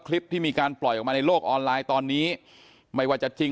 คลิปที่มีการปล่อยออกมาในโลกออนไลน์ตอนนี้ไม่ว่าจะจริง